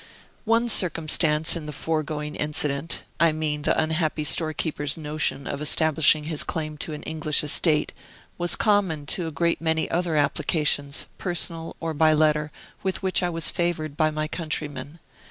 One circumstance in the foregoing incident I mean the unhappy storekeeper's notion of establishing his claim to an English estate was common to a great many other applications, personal or by letter, with which I was favored by my countrymen.